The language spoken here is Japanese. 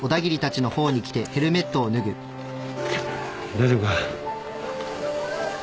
大丈夫か？